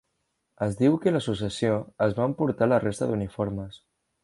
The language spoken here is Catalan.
Es diu que l'associació es va emportar la resta d'uniformes.